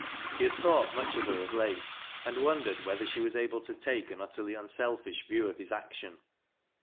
He had thought much of her of late, and wondered whether she was able to take an utterly unselfish view of his action.